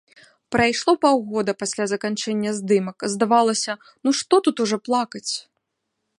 Прайшло паўгода пасля заканчэння здымак, здавалася, ну што тут ужо плакаць?